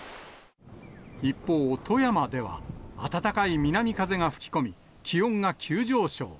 一方、富山では、暖かい南風が吹き込み、気温が急上昇。